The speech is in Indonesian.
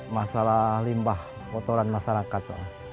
masalah limbah kotoran masyarakat